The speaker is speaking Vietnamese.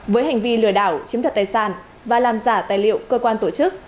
với hành vi lừa đảo chiếm thật tài sản và làm giả tài liệu cơ quan tổ chức